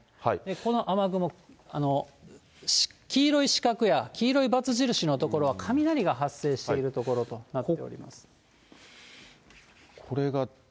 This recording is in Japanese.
この雨雲、黄色い四角や黄色いバツ印の所は雷が発生している所となっておりこれが。